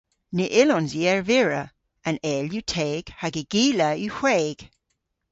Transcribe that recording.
Ny yllons i ervira. An eyl yw teg hag y gila yw hweg.